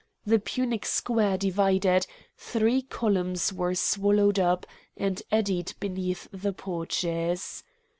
The Punic square divided; three columns were swallowed up, and eddied beneath the porches.